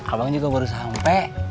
abang juga baru sampe